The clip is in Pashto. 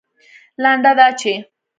لنډه دا چې